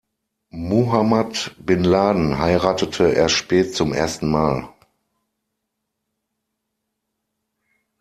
Muhammad bin Laden heiratete erst spät zum ersten Mal.